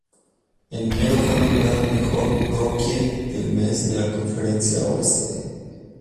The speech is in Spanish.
En enero fue nombrado mejor rookie del mes de la Conferencia Oeste.